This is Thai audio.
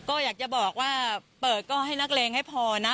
ก็อยากจะบอกว่าเปิดก็ให้นักเลงให้พอนะ